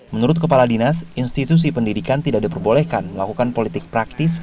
menurut kepala dinas institusi pendidikan tidak diperbolehkan melakukan politik praktis